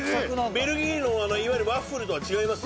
ベルギーのあのいわゆるワッフルとは違います？